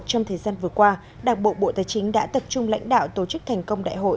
trong thời gian vừa qua đảng bộ bộ tài chính đã tập trung lãnh đạo tổ chức thành công đại hội